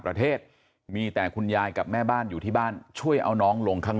ประเทศมีแต่คุณยายกับแม่บ้านอยู่ที่บ้านช่วยเอาน้องลงข้าง